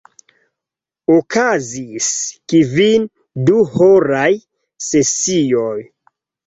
Okazis kvin duhoraj sesioj.